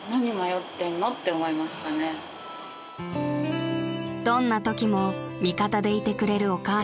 ［どんなときも味方でいてくれるお母さん］